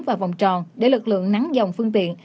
và vòng tròn để lực lượng nắng dòng phương tiện